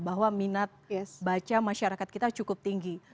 bahwa minat baca masyarakat kita cukup tinggi